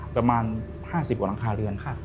ประมาณ๕๐กว่าหลังคาเรือน